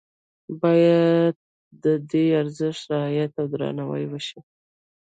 باید د دې ارزښت رعایت او درناوی وشي.